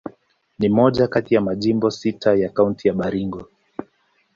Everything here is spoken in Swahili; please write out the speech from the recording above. Ni moja kati ya majimbo sita ya Kaunti ya Baringo.